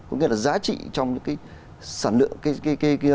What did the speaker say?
có nghĩa là giá trị trong những cái sản lượng cái